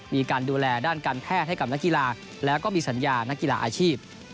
มีการดูแลด้านการแพทย์ให้กับนักกีฬาแล้วก็มีสัญญานักกีฬาอาชีพ